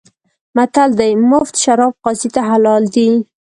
متل دی: مفت شراب قاضي ته حلال دي.